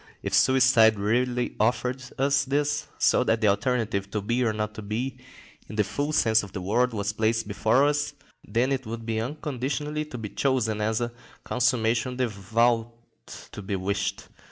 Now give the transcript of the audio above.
If suicide really offered us this, so that the alternative "to be or not to be," in the full sense of the word, was placed before us, then it would be unconditionally to be chosen as "a consummation devoutly to be wished."